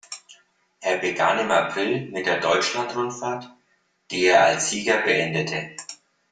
Er begann im April mit der Deutschland-Rundfahrt, die er als Sieger beendete.